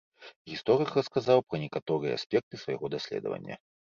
Гісторык расказаў пра некаторыя аспекты свайго даследавання.